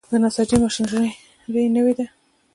د نساجي ماشینري نوې ده؟